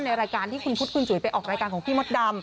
ในรายการที่คุณพุทธคุณจุ๋ยไปออกรายการของพี่มดดำ